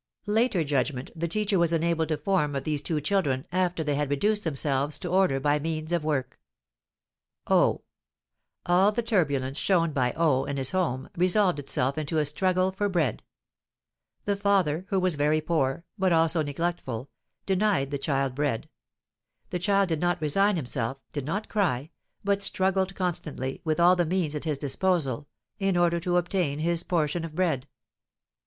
Later judgment the teacher was enabled to form of these two children after they had reduced themselves to order by means of work: O: all the turbulence shown by O in his home resolved itself into a struggle for bread; the father, who was very poor, but also neglectful, denied the child bread; the child did not resign himself, did not cry, but struggled constantly, with all the means at his disposal, in order to obtain his portion of bread.